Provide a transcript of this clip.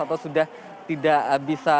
atau sudah tidak bisa